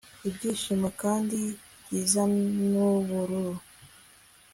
ibyishimo kandi byiza, nubururu